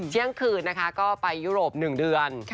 เที่ยงคืนนะคะก็ไปยุโรป๑เดือน